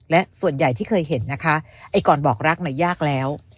และส่วนใหญ่ที่เคยเห็นนะคะไอ้ก่อนบอกรักน่ะยากแล้ว